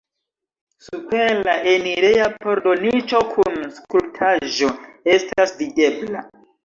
Super la enireja pordo niĉo kun skulptaĵo estas videbla.